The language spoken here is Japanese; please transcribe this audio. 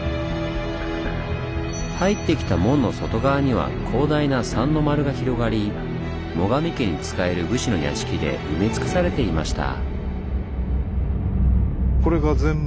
入ってきた門の外側には広大な三ノ丸が広がり最上家に仕える武士の屋敷で埋め尽くされていました。